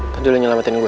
tadinya lo nyelamatin gue